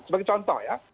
sebagai contoh ya